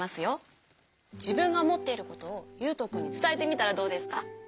じぶんがおもっていることをゆうとくんにつたえてみたらどうですか？